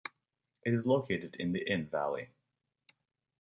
It is located in the Inn valley.